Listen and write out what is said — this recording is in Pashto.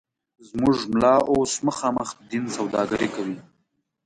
زموږ ملا اوس مخامخ د دین سوداگري کوي